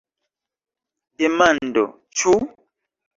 Demando: Ĉu?